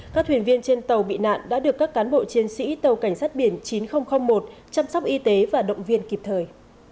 các thuyền viên trên tàu bị nạn đã được các cán bộ chiến sĩ tàu cảnh sát biển chín nghìn một chăm sóc y tế và động viên kịp thời